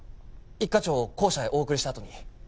一課長を公舎へお送りしたあとに。